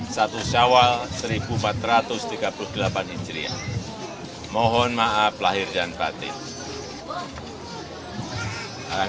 satu syawal seribu empat ratus tiga puluh delapan hijriah mohon maaf lahir dan batin